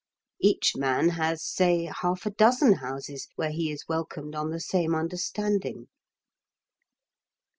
Each man has, say, half a dozen houses where he is welcomed on the same understanding.